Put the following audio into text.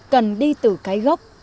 cần đi từ cái gốc